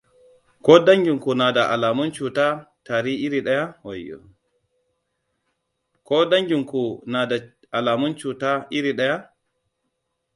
ko dangin ku na da alamun cuta iri ɗaya?